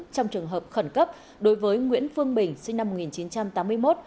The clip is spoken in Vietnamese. trong trường hợp khẩn cấp đối với nguyễn phương bình sinh năm một nghìn chín trăm tám mươi một